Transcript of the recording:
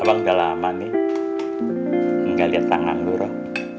abang udah lama nih enggak lihat tangan lu roh